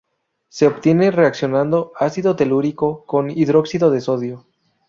Se obtiene reaccionando ácido telúrico con hidróxido de sodio.